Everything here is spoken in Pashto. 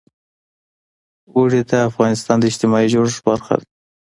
اوړي د افغانستان د اجتماعي جوړښت برخه ده.